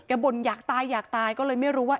บ่นอยากตายอยากตายก็เลยไม่รู้ว่า